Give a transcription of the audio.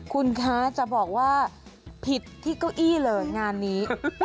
คุณคะจะบอกว่าผิดที่เก้าอี้เลยงานนี้